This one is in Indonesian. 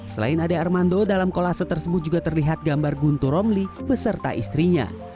selain ade armando dalam kolase tersebut juga terlihat gambar guntur romli beserta istrinya